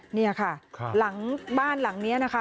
นี่ค่ะหลังบ้านหลังนี้นะคะ